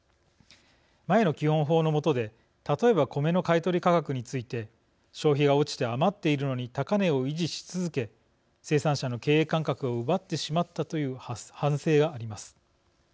前の基本法のもとで例えば米の買い取り価格について消費が落ちて余っているのに高値を維持し続け生産者の経営感覚を奪ってしまったという反省があります。